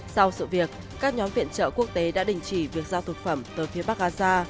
sau sự việc các nhóm viện trợ quốc tế đã đình chỉ việc giao thực phẩm từ phía bắc gaza